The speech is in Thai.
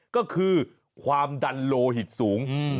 ก็คือความดันโลหิตสูง